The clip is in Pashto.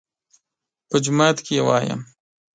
_په جومات کې يې وايم.